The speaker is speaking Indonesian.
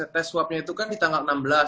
tes swabnya itu kan di tanggal enam belas